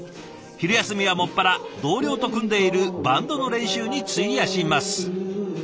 昼休みは専ら同僚と組んでいるバンドの練習に費やします。